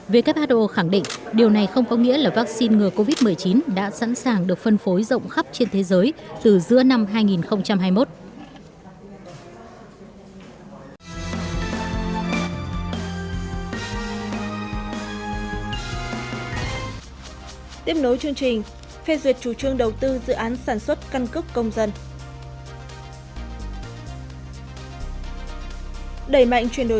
who khẳng định điều này không có nghĩa là vaccine ngừa covid một mươi chín đã sẵn sàng được phân phối rộng khắp trên thế giới từ giữa năm hai nghìn hai mươi một